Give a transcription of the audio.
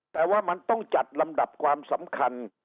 แต่ว่ามันต้องจัดลำดับความสำคัญ